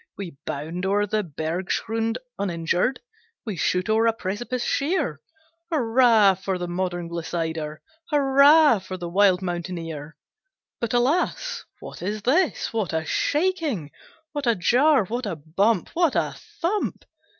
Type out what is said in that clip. We bound o'er the bergschrund uninjured, We shoot o'er a precipice sheer; Hurrah, for the modern glissader! Hurrah, for the wild mountaineer! But, alas! what is this? what a shaking! What a jar! what a bump! what a thump!